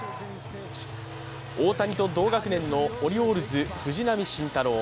大谷と同学年のオリオールズ・藤浪晋太郎。